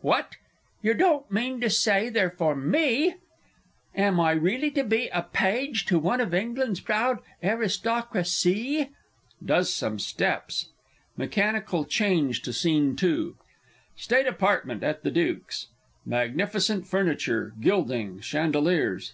What! Yer don't mean to say they're for me! Am I really to be a Page to one of England's proud aristocra cee? [Does some steps. Mechanical change to SCENE II. State Apartment at the Duke's. _Magnificent furniture, gilding, chandeliers.